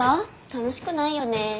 楽しくないよね。